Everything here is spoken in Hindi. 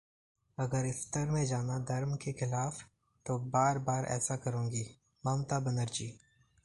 अगर इफ्तार में जाना धर्म के खिलाफ, तो बार-बार ऐसा करूंगी: ममता बनर्जी